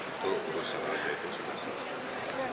itu urusan al zaitun sudah selesai